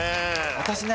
私ね